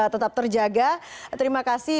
tetap terjaga terima kasih